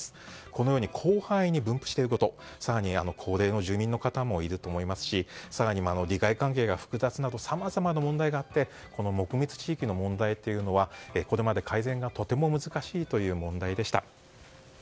このように広範囲に分布していること更に高齢の住民の方もいると思いますし更には利害関係が複雑などさまざまな問題があってこの木密地域の問題というのはこれまで改善がとても難しい問題でした。